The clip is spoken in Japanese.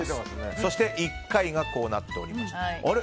そして１回がこうなっておりましてあれ？